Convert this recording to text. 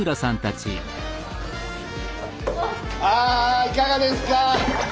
あいかがですか？